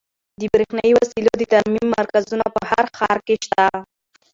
د برښنایي وسایلو د ترمیم مرکزونه په هر ښار کې شته.